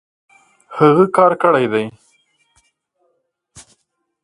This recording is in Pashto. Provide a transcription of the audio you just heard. هغۀ کار کړی دی